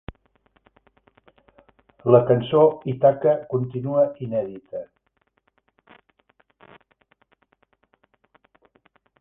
La cançó Ítaca continua inèdita.